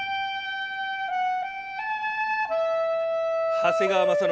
長谷川雅紀